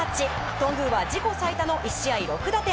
頓宮は自己最多の１試合６打点。